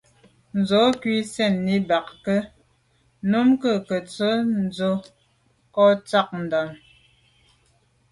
Z’o ghù sènni ba ke ? Numk’o ke tsho’ tshe’ so kà ntsha’t’am à.